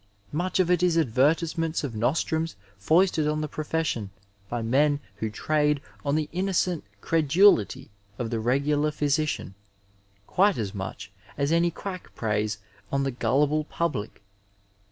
Much of it is advertifiementB of noBtnuns foisted on the profession by men who trade on the innooent credulity of the regular physidan, quite as much as any quack preys on the gullible public.